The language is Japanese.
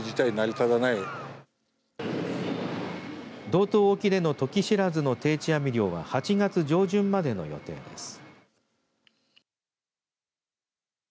道東沖でのトキシラズの定置網漁は８月上旬までの予定です。